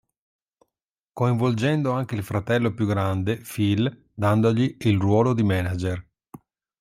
Coinvolgendo anche il fratello più grande Phil dandogli il ruolo di manager.